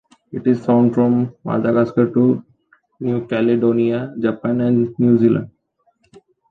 It is found from Madagascar to New Caledonia, Japan and New Zealand.